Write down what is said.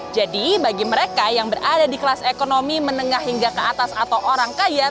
jadi bagi mereka yang berada di kelas ekonomi menengah hingga ke atas atau orang kaya